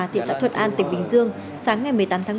thị xã thuật an tỉnh bình dương sáng ngày một mươi tám tháng bảy